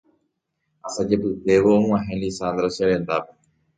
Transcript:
Asajepytévo og̃uahẽ Lizandra cherendápe